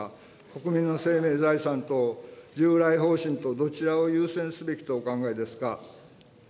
国民の生命、財産と従来方針とどちらを優先すべきとお考えですか。